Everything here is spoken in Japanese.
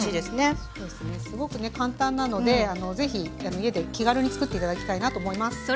すごくね簡単なのでぜひ家で気軽に作って頂きたいなと思います。